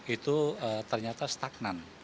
itu ternyata stagnan